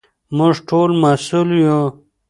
موږ ټول مسوول یو.